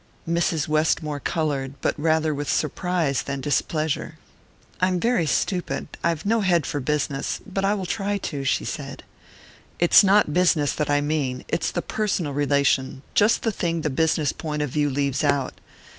Mrs. Westmore coloured, but rather with surprise than displeasure. "I'm very stupid I've no head for business but I will try to," she said. "It's not business that I mean; it's the personal relation just the thing the business point of view leaves out.